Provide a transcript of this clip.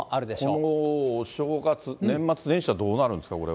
このお正月、年末年始はどうなるんですか、これは。